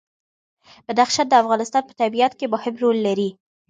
بدخشان د افغانستان په طبیعت کې مهم رول لري.